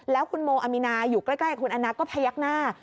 แล้วคุณโมอามีนาอยู่ใกล้กับคุณแอนนาก็พยักหน้า